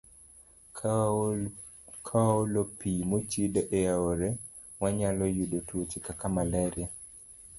Ka waolo pi mochido e aore, wanyalo yudo tuoche kaka malaria.